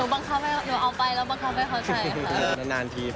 ความแมทชุดคู่คนมองมีการเตรียมตัว